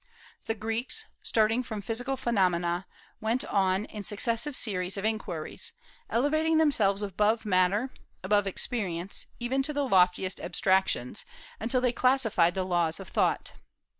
The Greeks, starting from physical phenomena, went on in successive series of inquiries, elevating themselves above matter, above experience, even to the loftiest abstractions, until they classified the laws of thought.